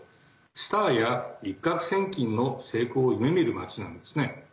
スターや一獲千金の成功を夢見る街なんですね。